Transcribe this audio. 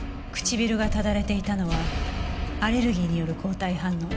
唇がただれていたのはアレルギーによる抗体反応でした。